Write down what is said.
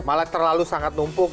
malah terlalu sangat numpuk